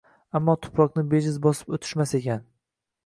Ammo tuproqni bejiz bosib o`tishmas ekan